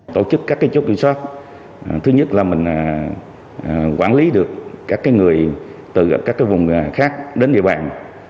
tổ chức các chốt kiểm soát thứ nhất là mình quản lý được các người từ các vùng khác đến địa bàn